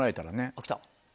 あっ来た。